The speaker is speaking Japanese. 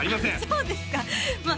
そうですかまあ